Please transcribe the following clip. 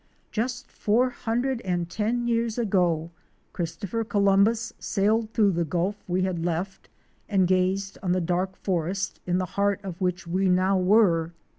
Just four hundred and ten years ago Christopher Columbus sailed through the gulf we had left and gazed on the dark forest in the heart of which we now were.